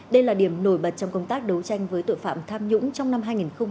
đây là điểm nổi bật trong công tác đấu tranh với tội phạm tham nhũng trong năm hai nghìn hai mươi ba